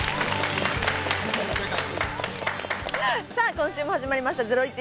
今週も始まりました『ゼロイチ』。